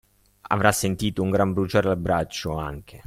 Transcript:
Avrà sentito un gran bruciore al braccio, anche!